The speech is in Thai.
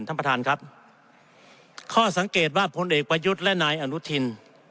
มีข้อสังเกตว่าผลเอกวัยุทธ์และนายอนุทิน